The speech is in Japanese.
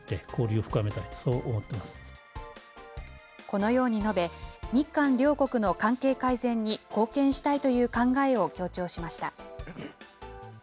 このように述べ、日韓両国の関係改善に貢献したいという考えを強調しました。